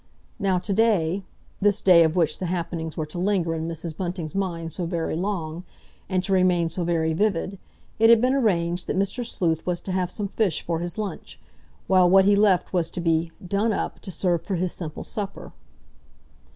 Now to day—this day of which the happenings were to linger in Mrs. Bunting's mind so very long, and to remain so very vivid, it had been arranged that Mr. Sleuth was to have some fish for his lunch, while what he left was to be "done up" to serve for his simple supper.